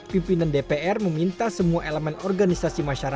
pimpinan dpr meminta semua elemen organisasi masyarakat